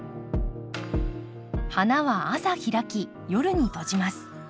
花は朝開き夜に閉じます。